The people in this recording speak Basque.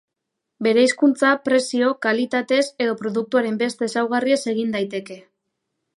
Bereizkuntza prezio, kalitatez edo produktuaren beste ezaugarriez egin daiteke.